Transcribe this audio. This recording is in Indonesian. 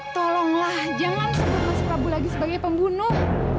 tolonglah jangan sebut mas prabu lagi sebagai pembunuh